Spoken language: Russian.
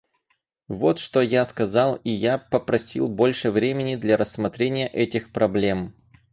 Вот что я сказал, и я попросил больше времени для рассмотрения этих проблем.